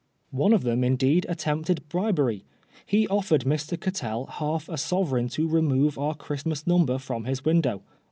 One of them, indeed, attempted bribery. He offered Mr. Cattell half a sovereign to remove our Christmas Number from his window.